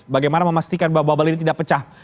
bagaimana memastikan bahwa bubble ini tidak pecah